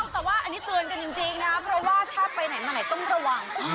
แต่ว่าอันนี้เตือนกันจริงนะเพราะว่าถ้าไปไหนมาไหนต้องระวัง